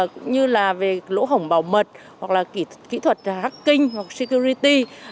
cũng như là về lỗ hổng bảo mật hoặc là kỹ thuật hacking security